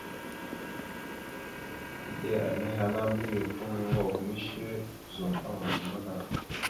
Eɗe nehe ana mbiyez toŋgov mishe ozum ava gaŋa da.